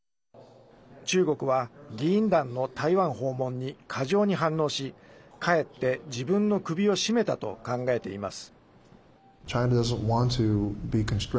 中国は議員団の台湾訪問に過剰に反応しかえって自分の首を絞めたと考えています。